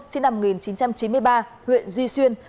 sinh năm một nghìn chín trăm chín mươi ba huyện duy xuyên